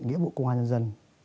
nghĩa vụ công an nhân dân